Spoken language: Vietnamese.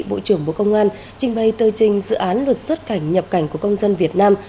bộ trưởng bộ công an trình bày tờ trình dự án luật xuất cảnh nhập cảnh của công dân việt nam